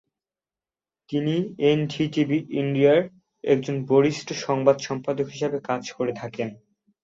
তিনি এনডিটিভি ইন্ডিয়ায় একজন বরিষ্ঠ সংবাদ সম্পাদক হিসেবে কাজ করে থাকেন।